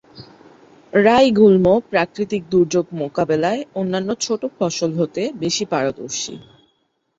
রাই গুল্ম প্রাকৃতিক দুর্যোগ মোকাবেলায় অন্যান্য ছোট ফসল হতে বেশি পারদর্শী।